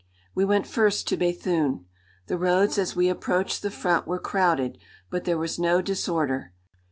We went first to Béthune. The roads as we approached the front were crowded, but there was no disorder.